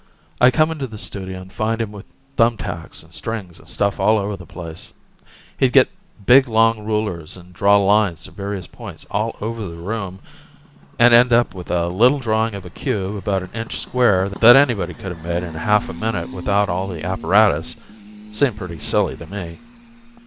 I'd come into the studio and find him with thumb tacks and strings and stuff all over the place. He'd get big long rulers and draw lines to various points all over the room, and end up with a little drawing of a cube about an inch square that anybody coulda made in a half a minute without all the apparatus. Seemed pretty silly to me.